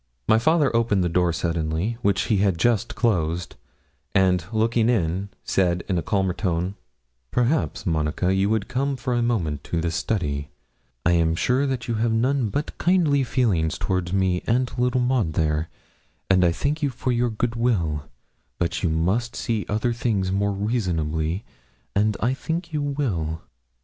My father opened the door suddenly, which he had just closed, and looking in, said, in a calmer tone 'Perhaps, Monica, you would come for a moment to the study; I'm sure you have none but kindly feelings towards me and little Maud, there; and I thank you for your good will; but you must see other things more reasonably, and I think you will.'